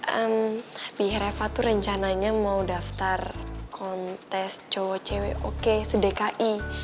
eh pi reva tuh rencananya mau daftar kontes cowok cewek oke sedekai